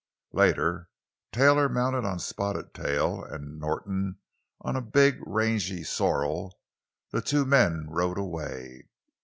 Later, Taylor, mounted on Spotted Tail, and Norton on a big, rangy sorrel, the two men rode away.